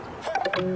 うん。